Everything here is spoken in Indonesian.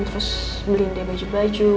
terus beliin dia baju baju